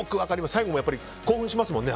最後も興奮しますもんね